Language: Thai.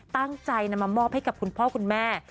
ตั้งใจนำมามอบให้กับคุณพ่อคุณแม่